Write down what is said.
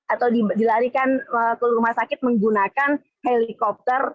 atau dilarikan ke rumah sakit menggunakan helikopter